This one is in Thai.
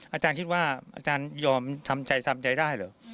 อาจารย์คิดว่าอาจารยอมทำใจทำใจได้เหรอ